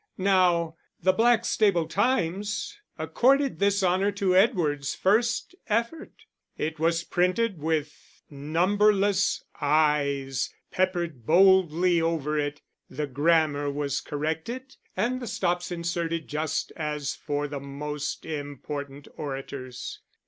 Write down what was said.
Now, the Blackstable Times accorded this honour to Edward's first effort; it was printed with numberless I's peppered boldly over it; the grammar was corrected, and the stops inserted, just as for the most important orators.